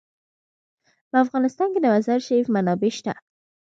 په افغانستان کې د مزارشریف منابع شته.